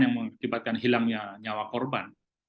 yang mengakibatkan hilangnya nyawa korban